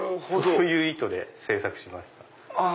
そういう意図で制作しました。